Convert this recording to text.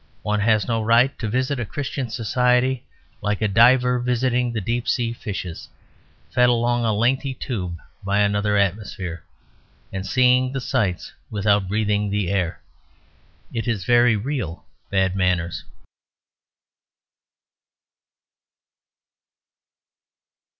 One has no right to visit a Christian society like a diver visiting the deep sea fishes fed along a lengthy tube by another atmosphere, and seeing the sights without breathing the air. It is very real bad manners.